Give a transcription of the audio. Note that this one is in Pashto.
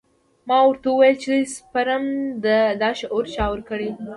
ما ورته وويل چې سپرم ته دا شعور چا ورکړى.